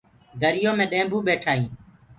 دريو مي ڏيمڀُو ٻيٺآ هينٚ۔